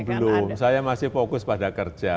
belum saya masih fokus pada kerja